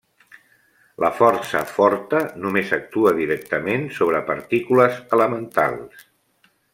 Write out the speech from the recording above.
La força forta només actua directament sobre partícules elementals.